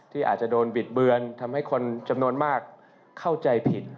อาจจะโดนบิดเบือนทำให้คนจำนวนมากเข้าใจผิด